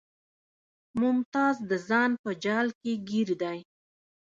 ممتاز د ځان په جال کې ګیر دی